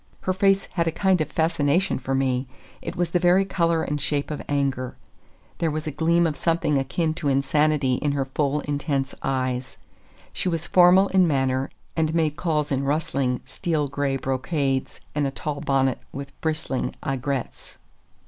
Her face had a kind of fascination for me; it was the very color and shape of anger. There was a gleam of something akin to insanity in her full, intense eyes. She was formal in manner, and made calls in rustling, steel gray brocades and a tall bonnet with bristling aigrettes.